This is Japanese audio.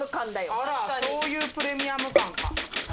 あらそういうプレミアム感か。